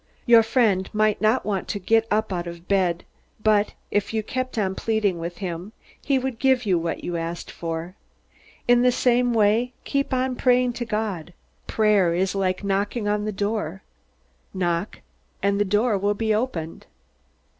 Your friend might not want to get up out of bed, but if you kept on pleading with him, he would give you what you asked for. In the same way, keep on praying to God! Prayer is like knocking on a door. Knock, and the door will be opened."